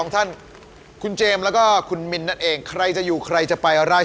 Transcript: ตักในโยนไหล